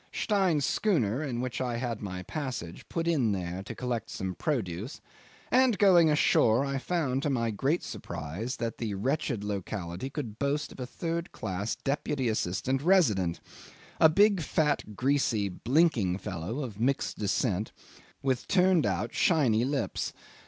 Stein's schooner, in which I had my passage, put in there, to collect some produce, and, going ashore, I found to my great surprise that the wretched locality could boast of a third class deputy assistant resident, a big, fat, greasy, blinking fellow of mixed descent, with turned out, shiny lips.